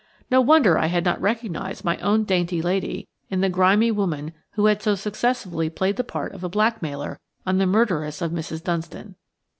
No wonder I had not recognised my own dainty lady in the grimy woman who had so successfully played the part of a blackmailer on the murderess of Mrs. Dunstan.